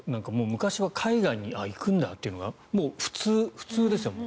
昔は海外に行くんだというのがもう普通ですよね。